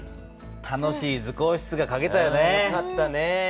楽しい図工室がかけたよね。